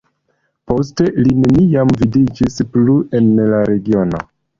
Poste li neniam vidiĝis plu en la regiono.